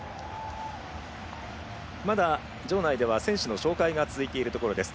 場内では選手の紹介が続いているところです。